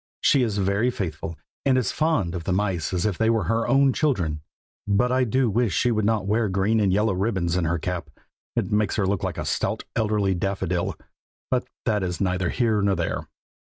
She is very faithful, and as fond of the mice as if they were her own children; but I do wish she would not wear green and yellow ribbons in her cap. It makes her look so like a stout elderly daffodil, but that is neither here nor there.